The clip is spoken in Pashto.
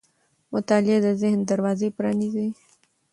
مطالعه د ذهن دروازې پرانیزي.